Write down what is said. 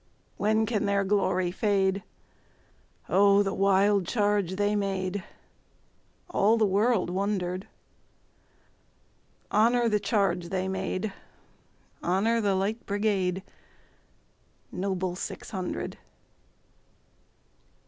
When can their glory fade?O the wild charge they made! All the world wonder'd. Honor the charge they made! Honor the Light Brigade, Noble six hundred!